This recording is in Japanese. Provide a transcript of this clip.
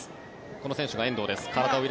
この選手が遠藤です。